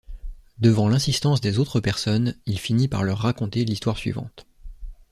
Devant l'insistance des autres personnes, il finit par leur raconter l'histoire suivante.